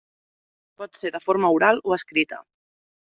Pot ser de forma oral o escrita.